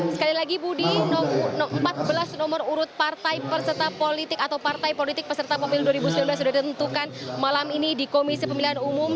sekali lagi budi empat belas nomor urut partai perserta politik atau partai politik peserta pemilu dua ribu sembilan belas sudah ditentukan malam ini di komisi pemilihan umum